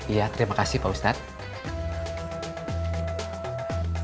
ya terima kasih pak ustadz